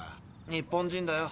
日本人だよ。